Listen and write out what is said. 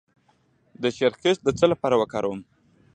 د شیرخشت د څه لپاره وکاروم؟